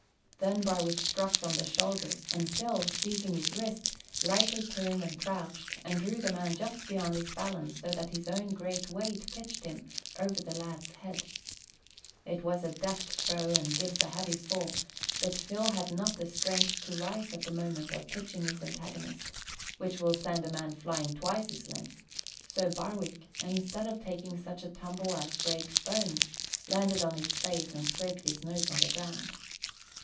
Then Barwick struck from the shoulder and Phil, seizing his wrist, lightly turned and crouched and drew the man just beyond his balance so that his own great weight pitched him over the lad's head. It is a deft throw and gives a heavy fall, but Phil had not the strength to rise at the moment of pitching his antagonist, which will send a man flying twice his length, so Barwick, instead of taking such a tumble as breaks bones, landed on his face and scraped his nose on the ground.